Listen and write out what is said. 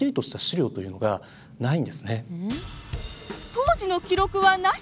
当時の記録はなし！？